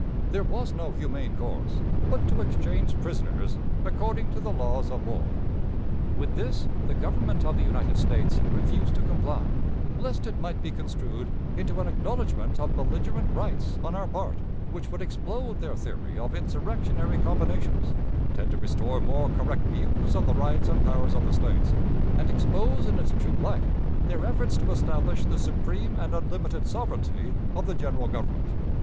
There was no humane course but to exchange prisoners according to the laws of war. With this the Government of the United States refused to comply, lest it might be construed into an acknowledgment of belligerent rights on our part, which would explode their theory of insurrectionary combinations, tend to restore more correct views of the rights and powers of the States, and expose in its true light their efforts to establish the supreme and unlimited sovereignty of the General Government.